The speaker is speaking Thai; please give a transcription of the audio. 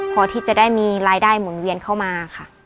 พอที่จะได้มีรายได้หมุนเวียนเข้ามาค่ะ